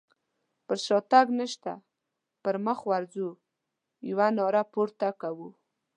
پر شاتګ نشته پر مخ ورځو يوه ناره پورته کوو.